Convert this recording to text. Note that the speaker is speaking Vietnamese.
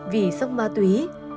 vì sốc ma túy